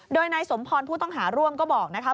โดยนายสมพรผู้ต้องหาร่วมก็บอกนะคะ